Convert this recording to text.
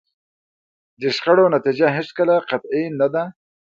د شخړو نتیجه هېڅکله قطعي نه ده.